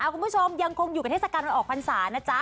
คุณผู้ชมยังคงอยู่กับเทศกรรมออกฟันศานะจ๊ะ